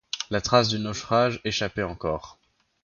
La trace du naufrage échappait encore.